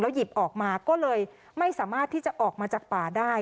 หยิบออกมาก็เลยไม่สามารถที่จะออกมาจากป่าได้